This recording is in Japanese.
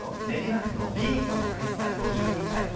練馬区のビートコケシさん５２歳。